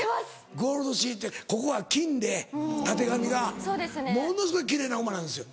ゴールドシチーってここが金でたてがみがものすごい奇麗な馬なんですよ。